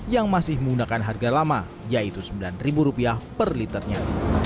yang masih menggunakan harga lama yaitu rp sembilan per liternya